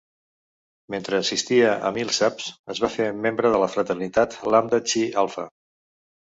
Mentre assistia a Millsaps, es va fer membre de la Fraternitat Lambda Chi Alpha.